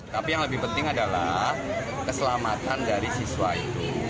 tapi yang lebih penting adalah keselamatan dari siswa itu